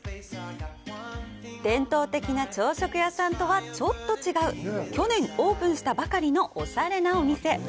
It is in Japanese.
伝統的な朝食屋さんとはちょっと違う去年オープンしたばかりのオシャレなお店。